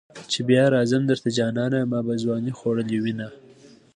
چې بیا راځم درته جانانه ما به ځوانی خوړلې وینه.